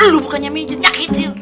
lo bukannya pijit nyakitin